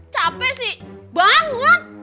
capek sih banget